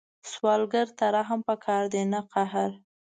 سوالګر ته رحم پکار دی، نه قهر